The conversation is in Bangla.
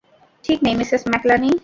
ঠিক নেই, মিসেস ম্যাকনালি।